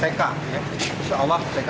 tentu kami dari pengacara saya akan mengadakan peka